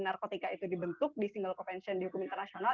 narkotika itu dibentuk di single convention di hukum internasional